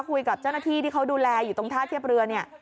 คุยกับเจ้าหน้าที่ที่เขาดูแลอยู่ตรงท่าเทียบเรือเนี่ย